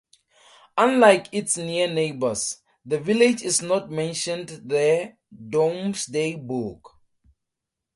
Unlike its near neighbours, the village is not mentioned the "Domesday Book".